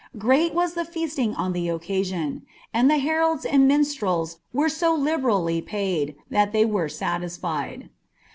Great was the fe«sun#o«lbl occasion; and the heralds and minstreLs were so liberally paid, tut ihiv were satisfied.